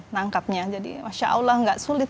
nangkapnya jadi masya allah nggak sulit